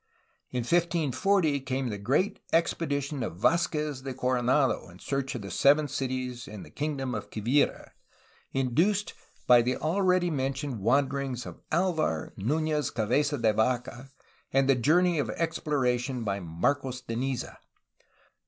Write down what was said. In 1540 came the great expedition of Vazquez de Coronado in search of the Seven Cities and the kingdom of Quivira, induced by the already mentioned wanderings of Alvar Nunez Cabeza de Vaca and the journey of exploration by Marcos de Niza.